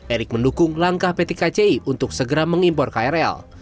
erick mendukung langkah pt kci untuk segera mengimpor krl